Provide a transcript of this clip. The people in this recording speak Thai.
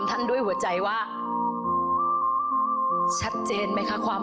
ของท่านได้เสด็จเข้ามาอยู่ในความทรงจำของคน๖๗๐ล้านคนค่ะทุกท่าน